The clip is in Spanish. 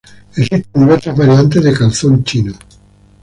Existen diversas variantes de calzón chino.